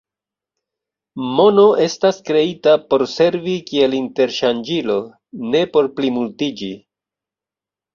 Mono estas kreita por servi kiel interŝanĝilo, ne por plimultiĝi.